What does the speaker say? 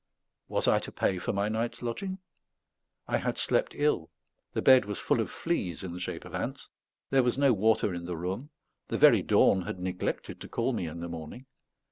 Was I to pay for my night's lodging? I had slept ill, the bed was full of fleas in the shape of ants, there was no water in the room, the very dawn had neglected to call me in the morning.